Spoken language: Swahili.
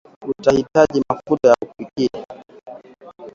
Utahitaji mafuta ya kupikia